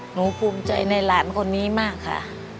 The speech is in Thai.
ภูมิใจในหลานคนนี้มากค่ะ